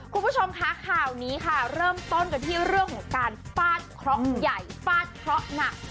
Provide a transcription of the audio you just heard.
คุณผู้ชมคะข่าวนี้ค่ะเริ่มต้นกันที่เรื่องของการฟาดเคราะห์ใหญ่ฟาดเคราะห์หนัก